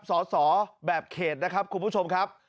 สอสอแบบเขตนะครับคุณผู้ชมครับ